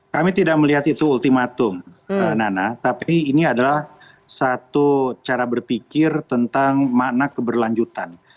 kami tidak melihat itu ultimatum nana tapi ini adalah satu cara berpikir tentang makna keberlanjutan